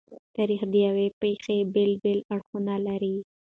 تاریخ د یوې پېښې بېلابېلې اړخونه لري.